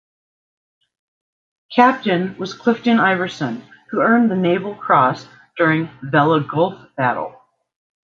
Captain was Clifton Iverson, who earned the Naval Cross during Vella Gulf battle.